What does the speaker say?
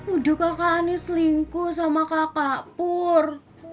udah kakak ani selingkuh sama kakak pur